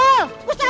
kau mau kemana